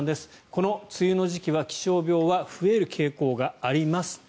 この梅雨の時期は気象病が増える傾向があります。